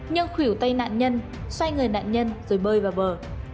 nhưng khủyểu tay nạn nhân xoay người nạn nhân rồi bơi vào bờ